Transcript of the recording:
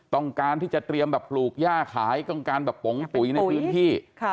ต้องการที่จะเตรียมแบบปลูกย่าขายต้องการแบบปงปุ๋ยในพื้นที่